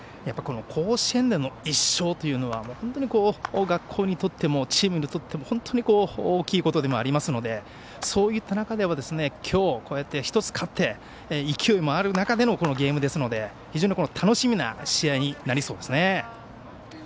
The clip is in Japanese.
甲子園での１勝というのは学校にとってもチームにとっても大きいことでもありますのでそういった中では今日、こうやって１つ勝って勢いもある中でのこのゲームですので非常に楽しみな試合になりそうですね。